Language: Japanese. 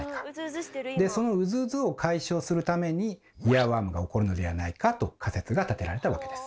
そのウズウズを解消するためにイヤーワームが起こるのではないかと仮説が立てられたわけです。